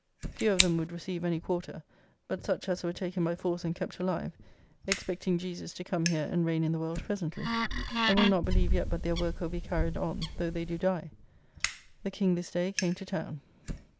Few of them would receive any quarter, but such as were taken by force and kept alive; expecting Jesus to come here and reign in the world presently, and will not believe yet but their work will be carried on though they do die. The King this day came to town.